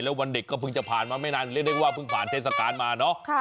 แล้ววันเด็กก็เพิ่งจะผ่านมาไม่นานเรียกได้ว่าเพิ่งผ่านเทศกาลมาเนอะ